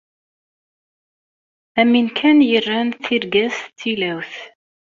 Am win kan yerran tirga-s d tilawt.